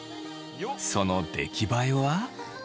その出来栄えは。